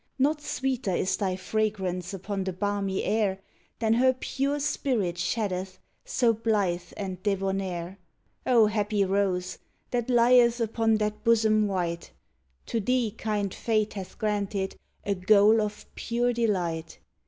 Not sweeter is thy fragrance upon the balmy air Than her pure spirit sheddeth, so blithe and debonnaire! O happy rose that lieth upon that bosom white, To thee kind Fate hath granted a goal of pure delight!